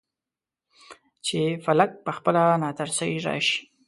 چې فلک پخپله ناترسۍ راشي.